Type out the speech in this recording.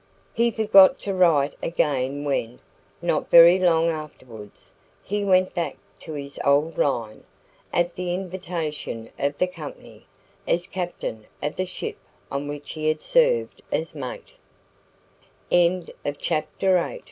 He forgot to write again when, not very long afterwards, he went back to his old line, at the invitation of the Company, as captain of the ship on which he had served as mate. CHAPTER IX. "'Dovedale' DOVEDALE hullo!"